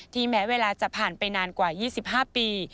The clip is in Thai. แม้เวลาจะผ่านไปนานกว่า๒๕ปี